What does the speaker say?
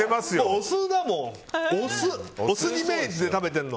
お酢！